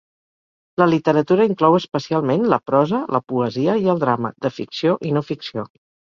La literatura inclou, especialment, la prosa, la poesia i el drama, de ficció i no-ficció.